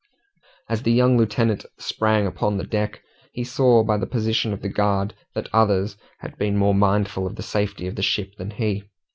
As the young lieutenant sprang out upon the deck, he saw by the position of the guard that others had been more mindful of the safety of the ship than he.